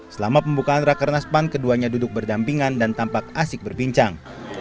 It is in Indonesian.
selama pembukaan rakernas pan keduanya duduk berdampingan dan tampak asik berbincang